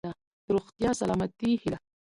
د روغتیا ،سلامتۍ هيله .💡